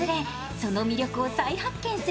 その魅力を再発見する